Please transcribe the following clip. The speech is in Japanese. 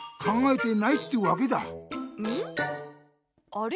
あれ？